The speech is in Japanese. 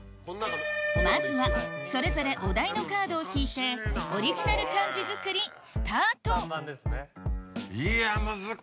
まずはそれぞれお題のカードを引いてオリジナル漢字作りスタートいや。